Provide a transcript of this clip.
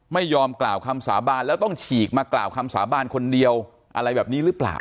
ไม่ยอมกล่าวคำสาบานแล้วต้องฉีกมากล่าวคำสาบานคนเดียวอะไรแบบนี้หรือเปล่า